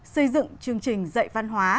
xây dựng chương trình dạy văn hóa